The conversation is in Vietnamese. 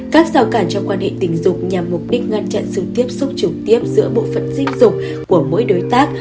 các rào cản trong quan hệ tình dục nhằm mục đích ngăn chặn sự tiếp xúc trực tiếp giữa bộ phận dinh dục của mỗi đối tác